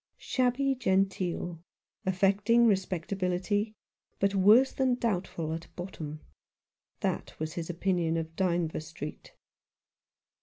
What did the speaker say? Shabby genteel ; affecting respectability ; but worse than doubtful at bottom. That was his opinion of Dynevor Street.